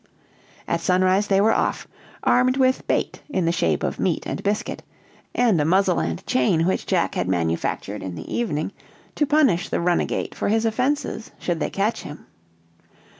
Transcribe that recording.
At sunrise they were off, armed with "bait" in the shape of meat and biscuit, and a muzzle and chain which Jack had manufactured in the evening to punish the runagate for his offenses, should they catch him.